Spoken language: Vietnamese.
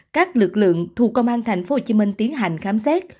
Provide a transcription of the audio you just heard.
các lực lượng thuộc công an tp hcm tiến hành khám xét